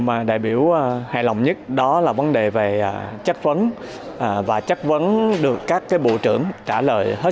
mà đại biểu hài lòng nhất đó là vấn đề về chất vấn và chất vấn được các bộ trưởng trả lời hết